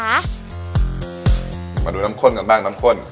มาดูน้ำข้นกันบ้างน้ำข้น